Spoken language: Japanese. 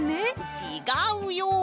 ちがうよ！